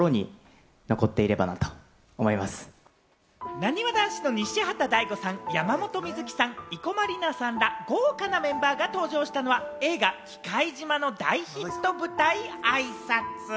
なにわ男子の西畑大吾さん、山本美月さん、生駒里奈さんら豪華なメンバーが登場したのは映画『忌怪島／きかいじま』の大ヒット舞台あいさつ。